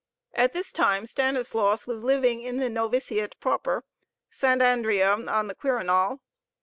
At this time Stanislaus was living in the noviciate proper, Sant' Andrea on the Quirinal.